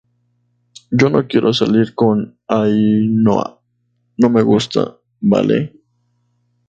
yo no quiero salir con Ainhoa, no me gusta, ¿ vale?